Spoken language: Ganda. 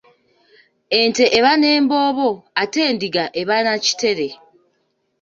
Ente eba n’emboobo ate endiga eba na kitere.